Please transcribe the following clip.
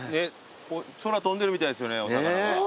空飛んでるみたいですよねお魚が。